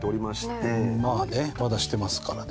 まあねまだしてますからね。